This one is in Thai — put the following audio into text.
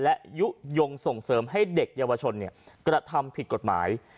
และยุโยงส่งเสริมให้เด็กเยาวชนกระทำผิดกฎหมาย